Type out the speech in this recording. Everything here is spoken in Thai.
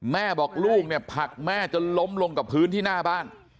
แม่บอกลูกเนี่ยผลักแม่จนล้มลงกับพื้นที่หน้าบ้าน